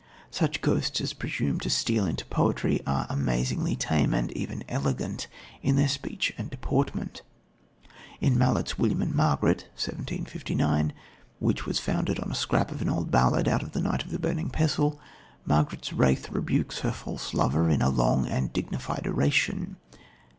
Such ghosts as presume to steal into poetry are amazingly tame, and even elegant, in their speech and deportment. In Mallet's William and Margaret (1759). which was founded on a scrap of an old ballad out of The Knight of the Burning Pestle, Margaret's wraith rebukes her false lover in a long and dignified oration.